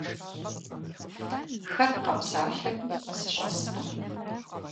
Хэт къэпсалъэми сыщӀэскъым.